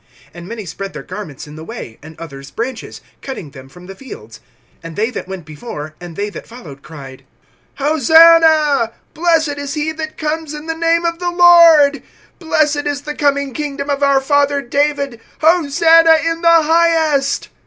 (8)And many spread their garments in the way, and others branches, cutting them from the fields[11:8]. (9)And they that went before, and they that followed, cried: Hosanna! blessed is he that comes in the name of the Lord; (10)blessed is the coming kingdom of our father David; Hosanna in the highest!